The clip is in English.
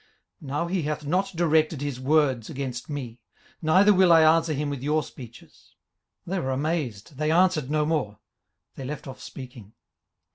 18:032:014 Now he hath not directed his words against me: neither will I answer him with your speeches. 18:032:015 They were amazed, they answered no more: they left off speaking.